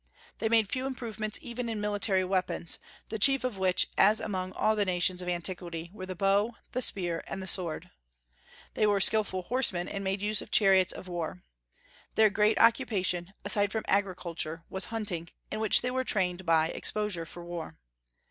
They made few improvements even in military weapons, the chief of which, as among all the nations of antiquity, were the bow, the spear, and the sword. They were skilful horsemen, and made use of chariots of war. Their great occupation, aside from agriculture, was hunting, in which they were trained by exposure for war.